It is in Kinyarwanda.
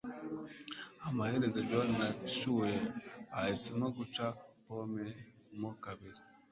amaherezo, john na sue bahisemo guca pome mo kabiri